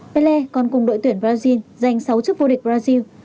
pele còn cùng đội tuyển brazil giành sáu chức vua địch brazil